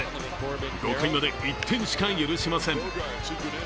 ５回まで１点しか許しません。